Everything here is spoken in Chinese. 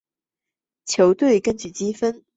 球队根据积分。